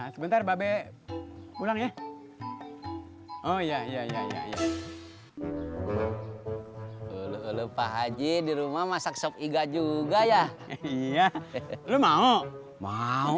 sebentar babek pulang ya oh ya ya ya ya lupa haji dirumah masak sop iga juga ya iya lu mau mau